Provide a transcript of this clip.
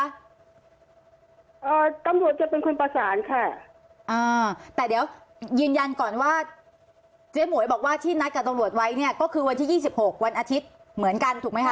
ตำรวจจะเป็นคนประสานค่ะอ่าแต่เดี๋ยวยืนยันก่อนว่าเจ๊หมวยบอกว่าที่นัดกับตำรวจไว้เนี่ยก็คือวันที่ยี่สิบหกวันอาทิตย์เหมือนกันถูกไหมคะ